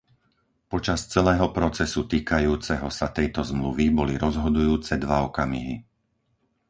Počas celého procesu týkajúceho sa tejto Zmluvy boli rozhodujúce dva okamihy.